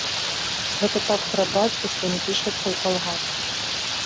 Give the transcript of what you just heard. Гэта так пра бацьку, што не пішацца ў калгас.